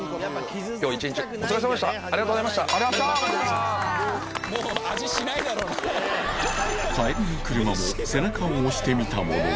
帰りの車も背中を押してみたものの